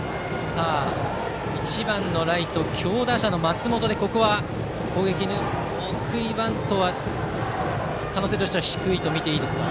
１番のライト強打者の松本で送りバントは可能性としては低いとみていいですか。